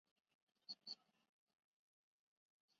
乘客中有一名儿童。